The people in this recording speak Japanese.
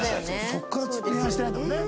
そこからずっと恋愛してないんだもんね